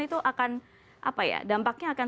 itu akan apa ya dampaknya akan